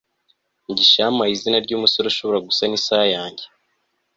mugisha yampaye izina ryumusore ushobora gusana isaha yanjye